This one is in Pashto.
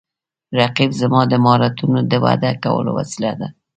رقیب زما د مهارتونو د وده کولو وسیله ده